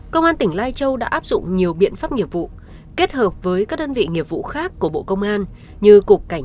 công an tỉnh lai châu đã áp dụng nhiều biện pháp nghiệp vụ kết hợp với các đơn vị nghiệp vụ khác của bộ công an